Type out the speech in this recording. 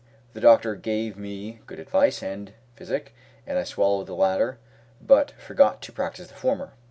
The doctor gave me good advice and physic, and I swallowed the latter but forgot to practise the former.